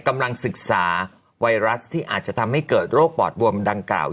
กำลังศึกษาไวรัสที่อาจจะทำให้เกิดโรคปอดบวมดังกล่าว